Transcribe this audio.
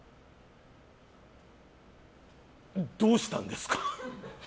どうしたんですか？